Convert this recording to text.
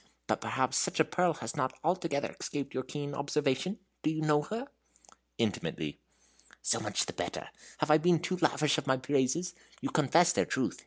But perhaps such a pearl has not altogether escaped your keen observation? Do you know her?" "Intimately." "So much the better. Have I been too lavish of my praises? You confess their truth?